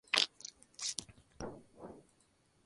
Las actrices Maria Bello y Kristen Hahn eran damas de honor.